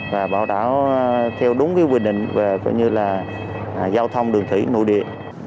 và bảo đảm theo đúng quy định về giao thông đường thủy nội địa